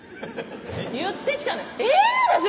言ってきたのえぇっでしょ